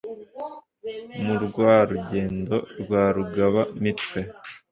murwa-rugendo wa rugaba-mitwe,